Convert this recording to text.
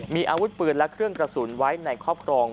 มีอาวุธปืนและเครื่องกระสุนไว้ในครอบครอง